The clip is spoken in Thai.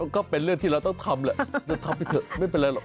ก็เป็นเรื่องที่เราต้องทำแหละเราทำไปเถอะไม่เป็นไรหรอก